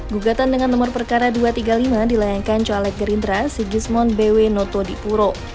gugatan dengan nomor perkara dua ratus tiga puluh lima dilayangkan caleg gerindra sigismond bw noto dipuro